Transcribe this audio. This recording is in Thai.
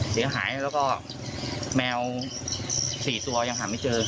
เสียหายแล้วก็แมว๔ตัวยังหาไม่เจอ